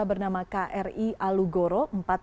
bernama kri alugoro empat ratus lima